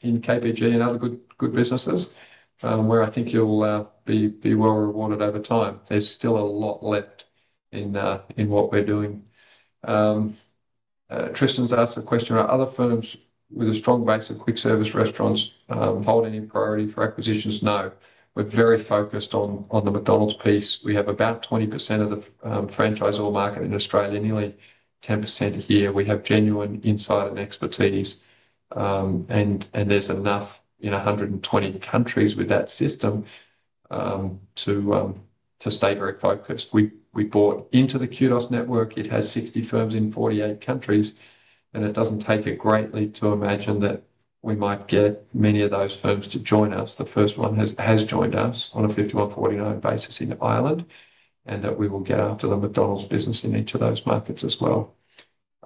in KPG and other good businesses where I think you'll be well rewarded over time. There's still a lot left in what we're doing. Tristan's asked a question, are other firms with a strong base of quick service restaurants holding in priority for acquisitions? No. We're very focused on the McDonald's piece. We have about 20% of the Franchisor Market in Australia and nearly 10% here. We have genuine insight and expertise, and there's enough in 120 countries with that system to stay very focused. We bought into the Kudos network. It has 60 firms in 48 countries, and it doesn't take it greatly to imagine that we might get many of those firms to join us. The first one has joined us on a 51%, 49% basis in Ireland and that we will get after the McDonald's business in each of those markets as well.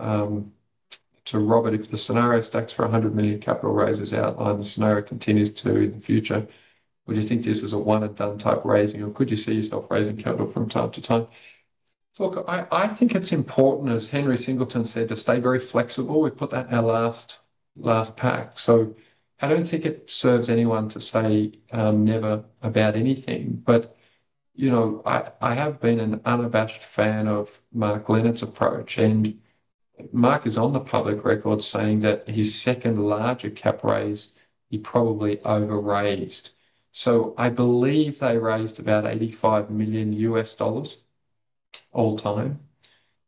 To Robert, if the scenario stacks for $100 million capital raises outline, the scenario continues to in the future, would you think this is a one-and-done type raising, or could you see yourself raising capital from time to time? I think it's important, as Henry Singleton said, to stay very flexible. We put that in our last pack. I don't think it serves anyone to say never about anything. I have been an unabashed fan of Mark Leonard's approach. Mark is on the public record saying that his second larger cap raise, he probably over-raised. I believe they raised about $85 million all time.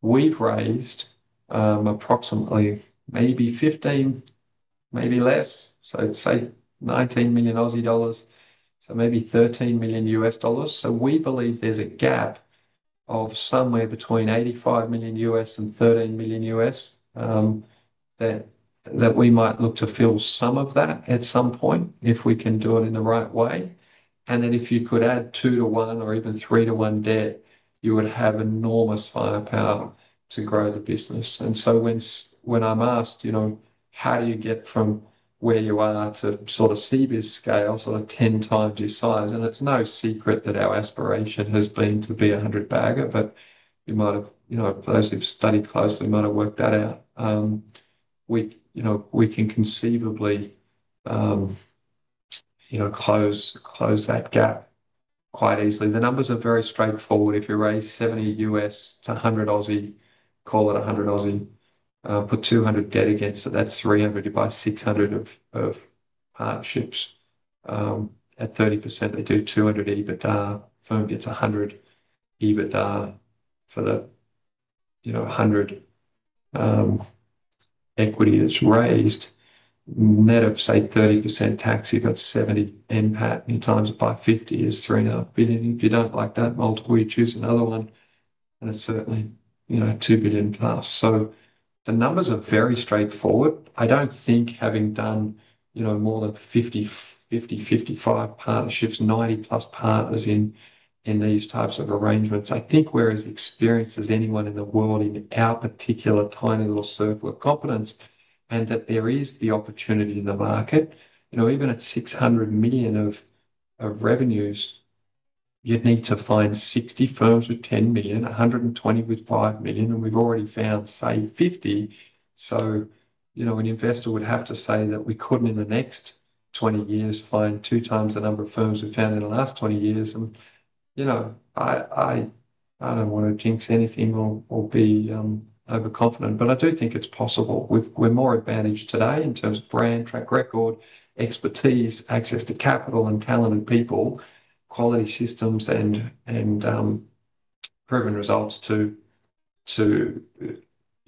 We've raised approximately maybe $15 million, maybe less, so say 19 million Aussie dollars, so maybe $13 million. We believe there's a gap of somewhere between $85 million and $13 million that we might look to fill some of that at some point if we can do it in the right way. If you could add two to one or even three to one debt, you would have enormous firepower to grow the business. When I'm asked, you know, how do you get from where you are to sort of see this scale, sort of 10 times your size? It's no secret that our aspiration has been to be a hundred bagger, but you might have, you know, if studied closely, you might have worked that out. We can conceivably, you know, close that gap quite easily. The numbers are very straightforward. If you raise $70 million to 100 million, call it 100 million, put $200 million debt against it, that's $300 million divided by $600 million of partnerships. At 30%, they do $200 million EBITDA for them. It's $100 million EBITDA for the, you know, $100 million equity that's raised. Net of, say, 30% taxes, you've got $70 million NPA and you times it by 50, it's $3.5 billion. If you don't like that multiple, choose another one. It's certainly, you know, $2+ billion. The numbers are very straightforward. I don't think having done, you know, more than 50, 50, 55 partnerships, 90+ partners in these types of arrangements, I think we're as experienced as anyone in the world in our particular tiny little circle of competence and that there is the opportunity in the market. Even at $600 million of revenues, you'd need to find 60 firms with $10 million, 120 with $5 million, and we've already found, say, 50. An investor would have to say that we couldn't in the next 20 years find two times the number of firms we found in the last 20 years. I don't want to jinx anything or be overconfident, but I do think it's possible. We're more advantaged today in terms of brand, track record, expertise, access to capital and talented people, quality systems, and proven results to, you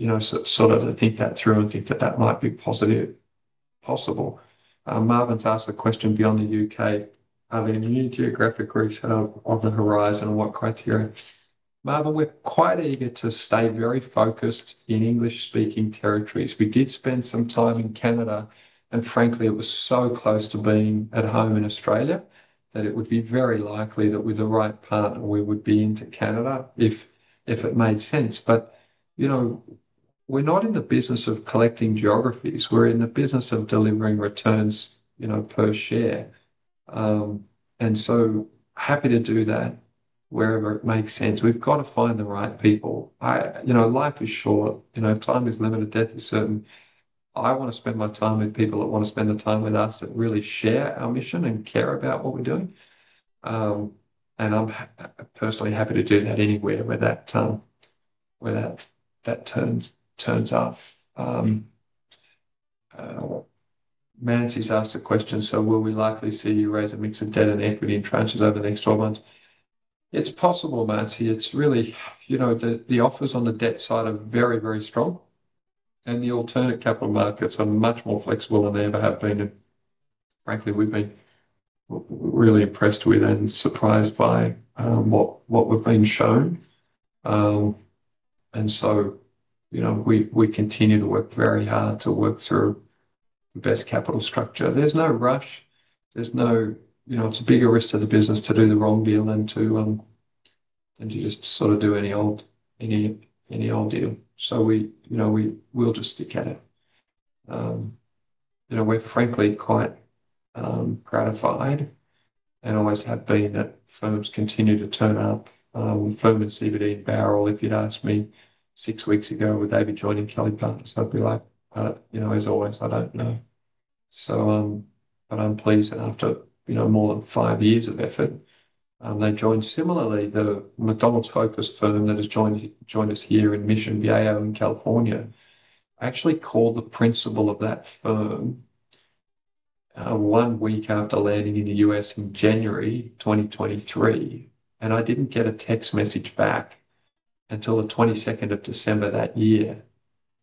know, sort of think that through and think that that might be possible. Marvin's asked a question beyond the U.K. Are there any new geographic groups on the horizon and what criteria? Marvin, we're quite eager to stay very focused in English-speaking territories. We did spend some time in Canada, and frankly, it was so close to being at home in Australia that it would be very likely that with the right partner, we would be into Canada if it made sense. We're not in the business of collecting geographies. We're in the business of delivering returns per share, and happy to do that wherever it makes sense. We've got to find the right people. Life is short. Time is limited. Death is certain. I want to spend my time with people that want to spend the time with us, that really share our mission and care about what we're doing. I'm personally happy to do that anywhere where that turn turns off. Nancy's asked a question. Will we likely see you raise a mix of debt and equity in tranches over the next 12 months? It's possible, Nancy. The offers on the debt side are very, very strong, and the alternative capital markets are much more flexible than they ever have been. Frankly, we've been really impressed with and surprised by what we've been shown. We continue to work very hard to work through the best capital structure. There's no rush. It's a bigger risk to the business to do the wrong deal than to just sort of do any old deal. We will just stick at it. We're frankly quite gratified and always have been that firms continue to turn up. Firms in Sydney CBD and Bowral, if you'd asked me six weeks ago, would they be joining Kelly Partners, I'd be like, you know, as always, I don't know. I'm pleased. After more than five years of effort, they joined. Similarly, the McDonald's-focused firm that has joined us here in Mission Bay Avenue, California. I actually called the principal of that firm one week after landing in the U.S. in January 2023, and I didn't get a text message back until the 22nd of December that year.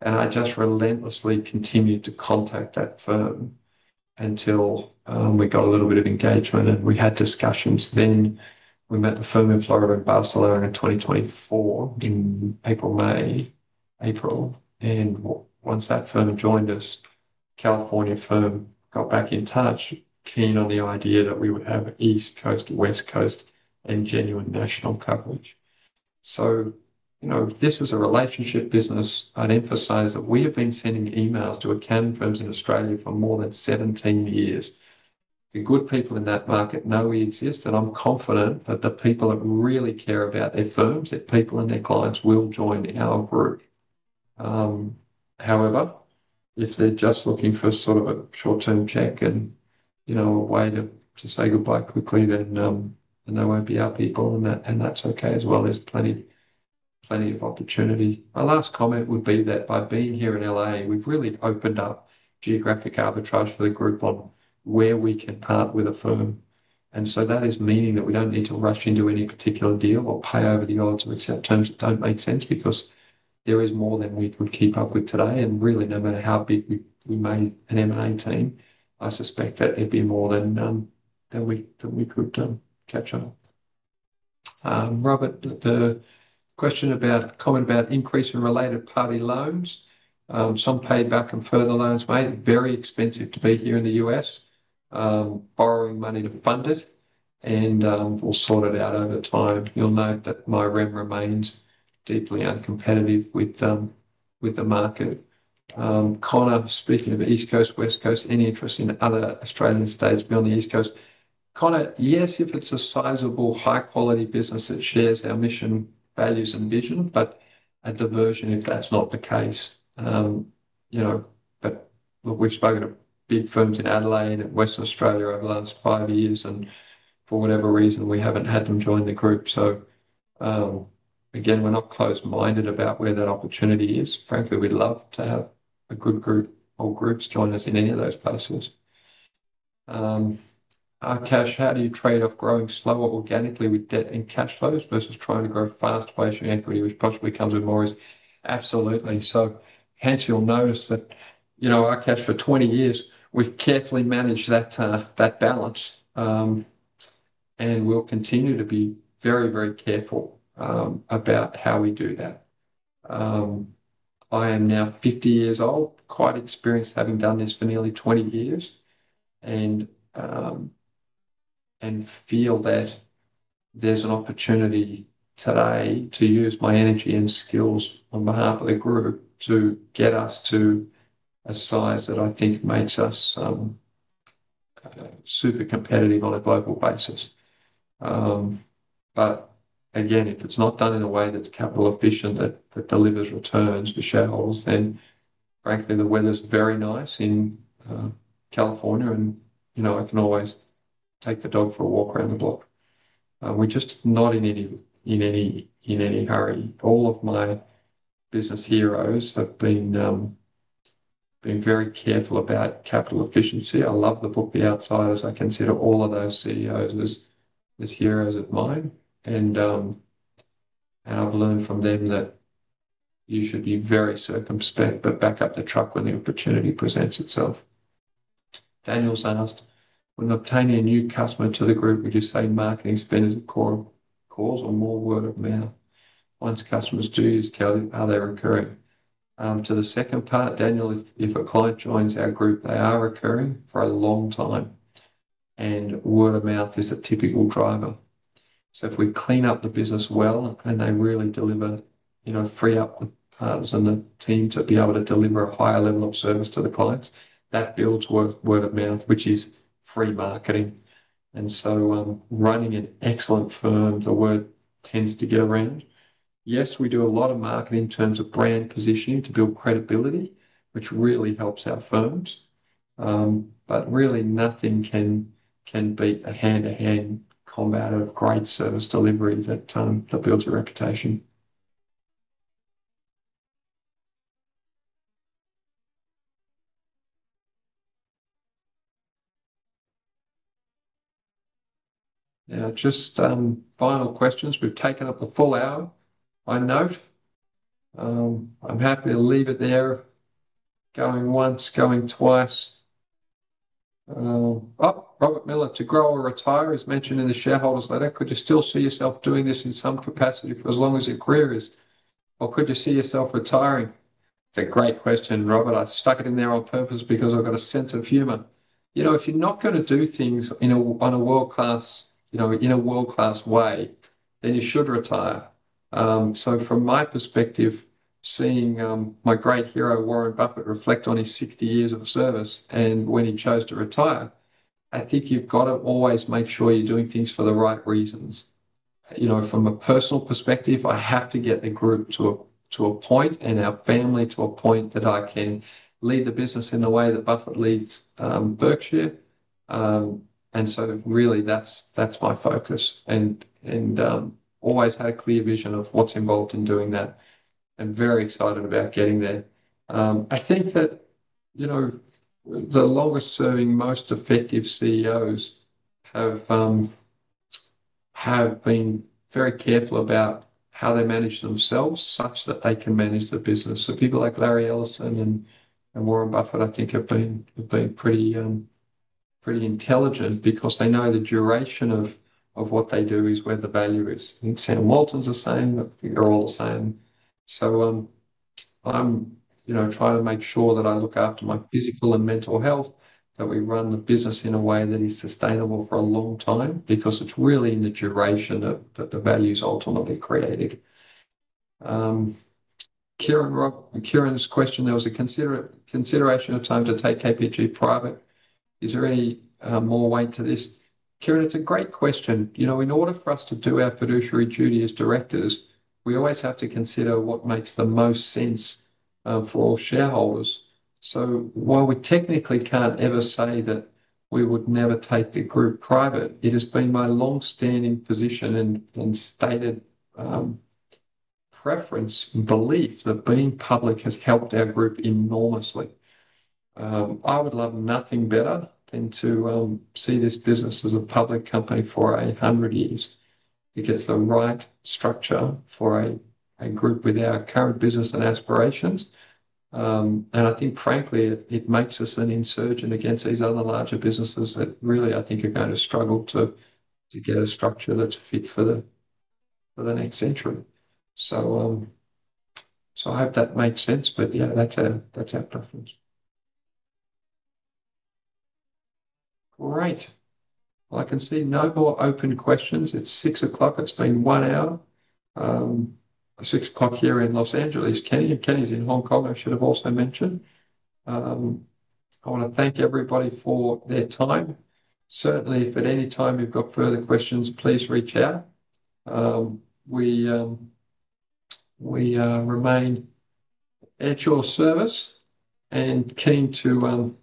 I just relentlessly continued to contact that firm until we got a little bit of engagement and we had discussions. We met the firm in Florida and Barcelona in 2024, in April, May, April. Once that firm joined us, the California firm got back in touch, keen on the idea that we would have East Coast, West Coast, and genuine national coverage. This was a relationship business. I'd emphasize that we have been sending emails to accounting firms in Australia for more than 17 years. The good people in that market know we exist, and I'm confident that the people that really care about their firms, their people, and their clients will join our group. However, if they're just looking for sort of a short-term check and, you know, a way to say goodbye quickly, then they won't be our people, and that's okay as well. There's plenty of opportunity. My last comment would be that by being here in L.A., we've really opened up geographic arbitrage for the group on where we can partner with a firm. That is meaning that we don't need to rush into any particular deal or pay over the odds or accept terms that don't make sense because there is more than we could keep up with today. Really, no matter how big we made an M&A team, I suspect that it'd be more than we could catch up. Robert, the question about comment about increasing related party loans. Some paid back and further loans made it very expensive to be here in the U.S., borrowing money to fund it. We'll sort it out over time. You'll note that my REM remains deeply uncompetitive with the market. Connor, speaking of East Coast, West Coast, any interest in other Australian states beyond the East Coast? Connor, yes, if it's a sizable, high-quality business that shares our mission, values, and vision, but a diversion if that's not the case. You know, we've spoken to big firms in Adelaide and Western Australia over the last five years, and for whatever reason, we haven't had them join the group. Again, we're not close-minded about where that opportunity is. Frankly, we'd love to have a good group, whole groups join us in any of those places. Our cash, how do you trade off growing slower organically with debt and cash flows versus trying to grow fast, wasting equity, which possibly comes with more risk? Absolutely. Hence, you'll notice that, you know, our cash for 20 years, we've carefully managed that balance, and we'll continue to be very, very careful about how we do that. I am now 50 years old, quite experienced having done this for nearly 20 years, and feel that there's an opportunity today to use my energy and skills on behalf of the group to get us to a size that I think makes us super competitive on a global basis. Again, if it's not done in a way that's capital efficient, that delivers returns for shareholders, then frankly, the weather's very nice in California, and you know, I can always take the dog for a walk around the block. We're just not in any hurry. All of my business heroes have been very careful about capital efficiency. I love the book The Outsiders. I consider all of those CEOs as heroes of mine. I've learned from them that you should be very circumspect but back up the truck when the opportunity presents itself. Daniel's asked, when obtaining a new customer to the group, would you say marketing spend is a core cause or more word of mouth? Once customers do use Kelly, are they recurring? To the second part, Daniel, if a client joins our group, they are recurring for a long time. Word of mouth is a typical driver. If we clean up the business well and they really deliver, you know, free up the partners and the team to be able to deliver a higher level of service to the clients, that builds word of mouth, which is free marketing. Running an excellent firm, the word tends to get around. Yes, we do a lot of marketing in terms of brand positioning to build credibility, which really helps our firms. Nothing can beat a hand-to-hand combo of great service delivery that builds a reputation. Now, just final questions. We've taken up the full hour by note. I'm happy to leave it there, going once, going twice. Robert Miller, to grow or retire, as mentioned in the shareholders letter, could you still see yourself doing this in some capacity for as long as your career is, or could you see yourself retiring? It's a great question, Robert. I stuck it in there on purpose because I've got a sense of humor. If you're not going to do things in a world-class, you know, in a world-class way, then you should retire. From my perspective, seeing my great hero, Warren Buffett, reflect on his 60 years of service and when he chose to retire, I think you've got to always make sure you're doing things for the right reasons. From a personal perspective, I have to get the group to a point and our family to a point that I can lead the business in the way that Buffett leads Berkshire. That's my focus. I've always had a clear vision of what's involved in doing that. I'm very excited about getting there. I think that the longest serving, most effective CEOs have been very careful about how they manage themselves such that they can manage the business. People like Larry Ellison and Warren Buffett, I think, have been pretty intelligent because they know the duration of what they do is where the value is. I think Sam Walton's the same. I think they're all the same. I'm trying to make sure that I look after my physical and mental health, that we run the business in a way that is sustainable for a long time because it's really in the duration that the value is ultimately created. Karen's question, there was a consideration of time to take KPG private. Is there any more weight to this? Karen, it's a great question. In order for us to do our fiduciary duty as directors, we always have to consider what makes the most sense for all shareholders. While we technically can't ever say that we would never take the group private, it has been my long-standing position and stated preference and belief that being public has helped our group enormously. I would love nothing better than to see this business as a public company for 800 years. It gets the right structure for a group with our current business and aspirations. I think, frankly, it makes us an insurgent against these other larger businesses that really, I think, are going to struggle to get a structure that's fit for the next century. I hope that makes sense. That's our preference. I can see no more open questions. It's 6:00 P.M. It's been one hour. 6:00 P.M. here in Los Angeles. Kenny is in Hong Kong, I should have also mentioned. I want to thank everybody for their time. Certainly, if at any time you've got further questions, please reach out. We remain at your service and keen to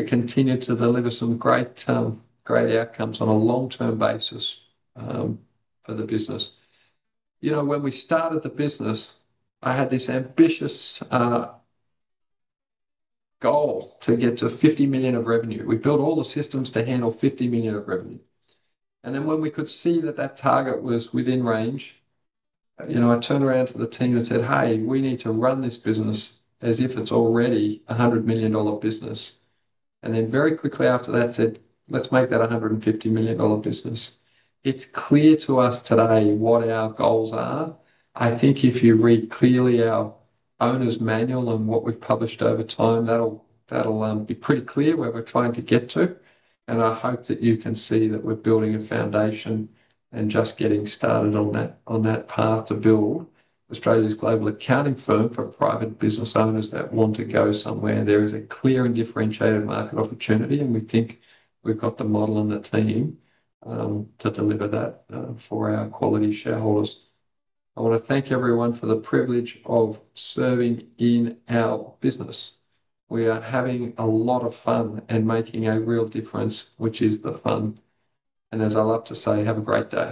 continue to deliver some great outcomes on a long-term basis for the business. When we started the business, I had this ambitious goal to get to $50 million of revenue. We built all the systems to handle $50 million of revenue. When we could see that that target was within range, I turned around to the team and said, "Hey, we need to run this business as if it's already a $100 million business." Very quickly after that, I said, "Let's make that a $150 million business." It's clear to us today what our goals are. I think if you read clearly our owner's manual and what we've published over time, that'll be pretty clear where we're trying to get to. I hope that you can see that we're building a foundation and just getting started on that path to build Australia's global accounting firm for private business owners that want to go somewhere. There is a clear and differentiated market opportunity, and we think we've got the model and the team to deliver that for our quality shareholders. I want to thank everyone for the privilege of serving in our business. We are having a lot of fun and making a real difference, which is the fun. As I love to say, have a great day.